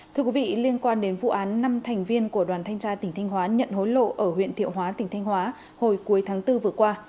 thưa quý vị liên quan đến vụ án năm thành viên của đoàn thanh tra tỉnh thanh hóa nhận hối lộ ở huyện thiệu hóa tỉnh thanh hóa hồi cuối tháng bốn vừa qua